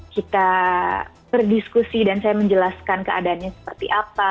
kita berdiskusi dan saya menjelaskan keadaannya seperti apa